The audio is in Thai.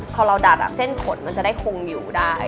พอเราดัดเส้นขนมันจะได้คงอยู่ได้